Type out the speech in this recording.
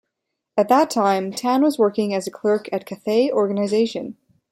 At that time, Tan was working as a clerk at Cathay Organisation.